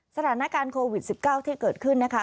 สถานการณ์โควิด๑๙ที่เกิดขึ้นนะคะ